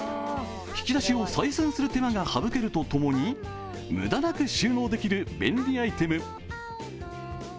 引き出しを採寸する手間が省けるとともに無駄なく収納できる便利アイテム。